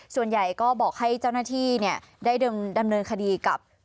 ส่วนใหญ่ก็บอกให้เจ้าหน้าที่ได้ดำเนินคดีกับ